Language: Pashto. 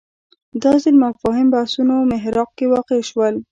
دا ځل مفاهیم بحثونو محراق کې واقع شول